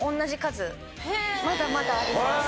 まだまだあります。